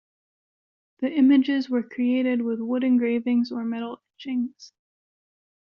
The images were created with wood engravings or metal etchings.